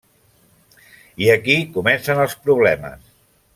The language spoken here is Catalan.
I aquí comencen els problemes.